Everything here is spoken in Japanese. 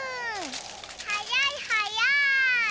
はやいはやい！